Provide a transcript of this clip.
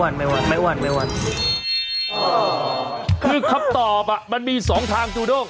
นึกคำตอบมันมีสองทางจูด้ง